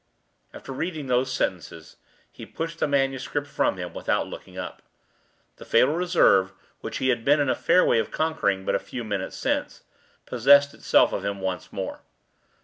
After reading those sentences, he pushed the manuscript from him, without looking up. The fatal reserve which he had been in a fair way of conquering but a few minutes since, possessed itself of him once more.